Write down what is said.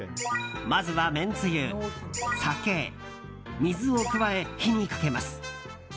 まずは、めんつゆ酒、水を加え火にかけます。